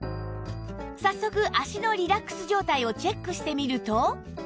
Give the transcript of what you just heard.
早速脚のリラックス状態をチェックしてみると